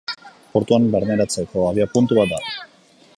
Portuan barneratzeko abiapuntu bat da.